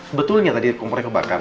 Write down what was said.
sebetulnya tadi kompornya kebakar